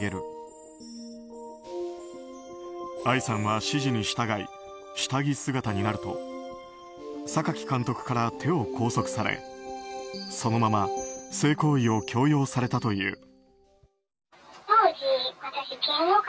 Ｉさんは指示に従い下着姿になると榊監督から手を拘束されそのまま性行為を強要されたという。